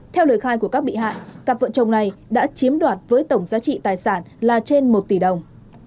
theo lời khai của các bị hại cặp vợ chồng này đã chiếm đoạt với tổng giá trị tài sản là trên một tỷ đồng